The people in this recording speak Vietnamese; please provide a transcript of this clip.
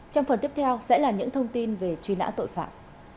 trong phần tiếp theo sẽ là những thông tin về truy nã tội phạm